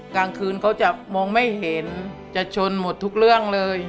กลางคืนเขาจะมองไม่เห็นจะชนหมดทุกเรื่องเลย